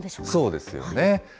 そうですよね。